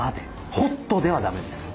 ホットではダメです。